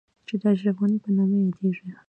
چې د اشرف غني په نامه يادېږي.